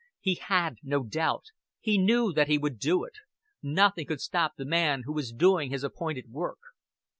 He had no doubt; he knew that he would do it. Nothing could stop the man who was doing his appointed work.